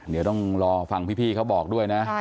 เดี๋ยวต้องรอฟังพี่เขาบอกด้วยนะ